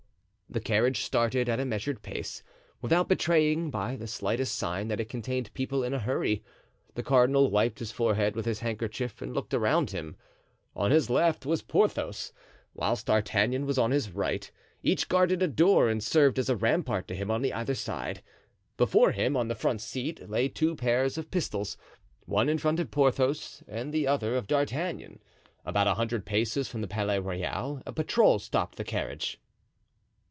The carriage started at a measured pace, without betraying by the slightest sign that it contained people in a hurry. The cardinal wiped his forehead with his handkerchief and looked around him. On his left was Porthos, whilst D'Artagnan was on his right; each guarded a door and served as a rampart to him on either side. Before him, on the front seat, lay two pairs of pistols—one in front of Porthos and the other of D'Artagnan. About a hundred paces from the Palais Royal a patrol stopped the carriage.